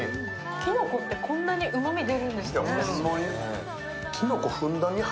きのこって、こんなにうまみ出るんですね。